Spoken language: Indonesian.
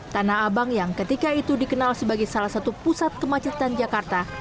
tanah abang yang ketika itu dikenal sebagai salah satu pusat kemacetan jakarta